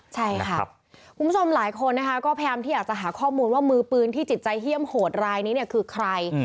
ใช่ค่ะคุณผู้ชมหลายคนนะคะก็พยายามที่อยากจะหาข้อมูลว่ามือปืนที่จิตใจเฮี่ยมโหดรายนี้เนี่ยคือใคร